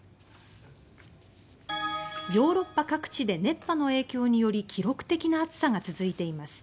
ヨーロッパ各地で熱波の影響により記録的な暑さが続いています。